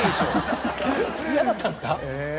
嫌だったんですか？